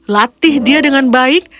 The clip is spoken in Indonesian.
latih dia dengan baik